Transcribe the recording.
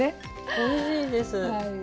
おいしいです。